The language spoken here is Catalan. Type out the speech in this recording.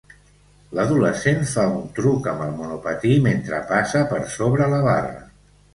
L'adolescent fa un truc amb el monopatí mentre passa per sobre la barra.